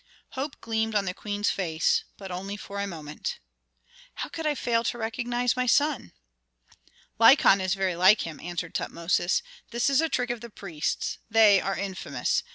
Hope gleamed on the queen's face, but only for a moment. "How could I fail to recognize my son?" "Lykon is very like him," answered Tutmosis. "This is a trick of the priests. They are infamous!